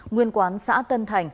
nguyên quán xã tân thành